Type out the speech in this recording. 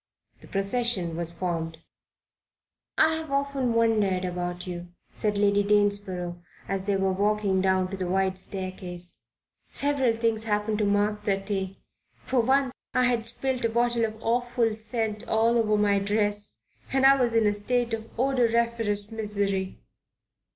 The procession was formed. "I've often wondered about you," said Lady Danesborough, as they were walking down the wide staircase. "Several things happened to mark that day. For one, I had spilled a bottle of awful scent all over my dress and I was in a state of odoriferous misery."